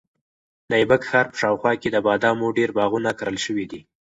د ایبک ښار په شاوخوا کې د بادامو ډېر باغونه کرل شوي دي.